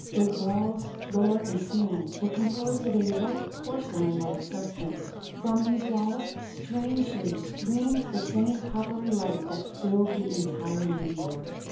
The walls, floor and ceiling were composed of a white porcelainlike substance: from these walls, strangely, streamed the same coppery light that filled the entire meteor.